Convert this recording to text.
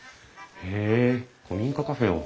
へえ古民家カフェを。